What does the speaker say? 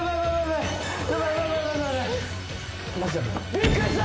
びっくりした！？